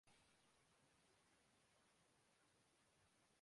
مقتولین کی تعداد کیوں بڑھتی جارہی ہے؟